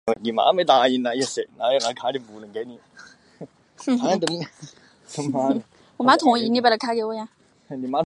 纽埃元是新西兰联系国纽埃的货币。